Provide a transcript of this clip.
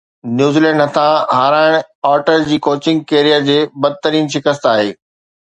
New Zealand هٿان هارائڻ Arthur جي ڪوچنگ ڪيريئر جي بدترين شڪست آهي